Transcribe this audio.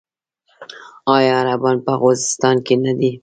آیا عربان په خوزستان کې نه دي؟